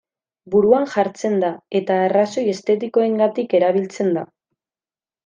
Buruan jartzen da eta arrazoi estetikoengatik erabiltzen da.